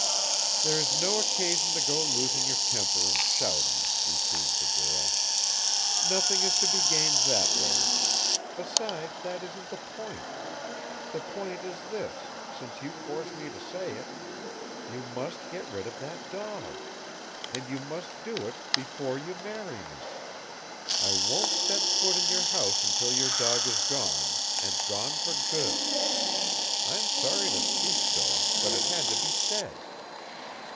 "There is no occasion to go losing your temper and shouting," reproved the girl. "Nothing is to be gained that way. Besides, that isn't the point. The point is this, since you force me to say it: You must get rid of that dog. And you must do it before you marry me. I won't set foot in your house until your dog is gone and gone for good. I am sorry to speak so, but it had to be said."